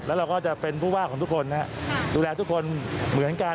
แล้วเราก็จะเป็นผู้ว่าของทุกคนดูแลทุกคนเหมือนกัน